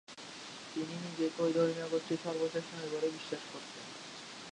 তিনি নিজেকে ঐ ধর্মীয় গোষ্ঠীর সর্বশেষ নবী বলে বিশ্বাস করতেন।